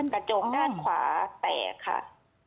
กระจกด้านขวาแตกค่ะ